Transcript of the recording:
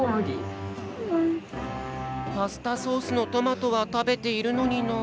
パスタソースのトマトはたべているのになあ。